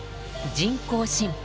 人工心肺